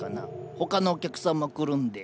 他のお客さんも来るんで。